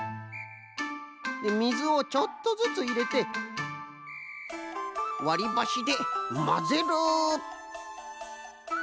みずをちょっとずついれてわりばしでまぜる。